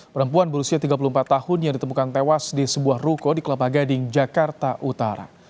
perempuan berusia tiga puluh empat tahun yang ditemukan tewas di sebuah ruko di kelapa gading jakarta utara